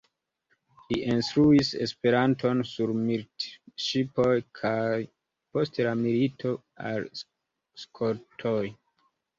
Li instruis Esperanton sur militŝipoj kaj, post la milito, al skoltoj.